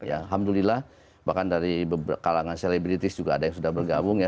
alhamdulillah bahkan dari kalangan selebritis juga ada yang sudah bergabung ya